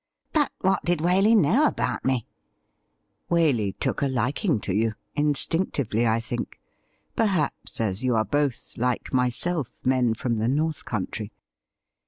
' But what did Waley know about me ?'' Waley took a liking to you — instinctively, I think — perhaps as you are both, like myself, men from the North Country.